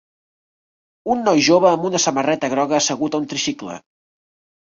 Un noi jove amb una samarreta groga assegut a un tricicle.